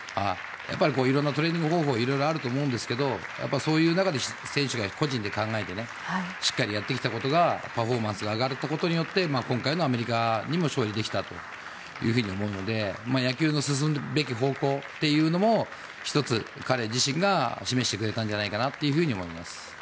いろんなトレーニング方法があると思うんですけどそういう中で選手が個人で考えてしっかりやってきたことでパフォーマンスが上がることで今回のアメリカにも勝利できたと思うので野球の進むべき方向というのも１つ彼自身が示してくれたんじゃないかと思います。